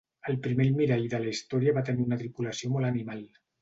El primer almirall de la història va tenir una tripulació molt animal.